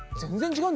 違う！